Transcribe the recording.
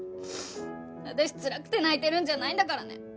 私つらくて泣いてるんじゃないんだからね。